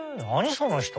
その人。